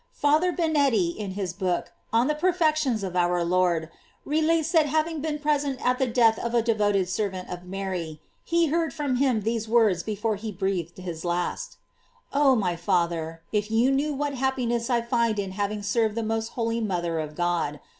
Father Binetti, in his book "On the Perfections of our Lord," relates that having been present at the death of a devoted servant of Mary, he heard from him these words before he breathed his last: "Oh, my Father, if you knew what happiness I find in having served the most holy mother of God!